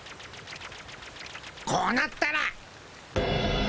こうなったら。